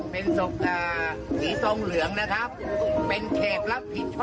เกย์อยู่ที่ในสวนมานานหรือยังครับน่ะ